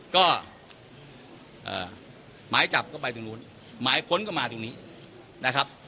ก็หมายจับก็ไปตรงนู้นหมายค้นก็มาตรงนี้นะครับ